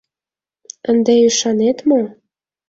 — Ынде ӱшанет мо?